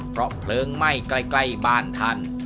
เพราะเพลิงไหม้ใกล้บ้านท่าน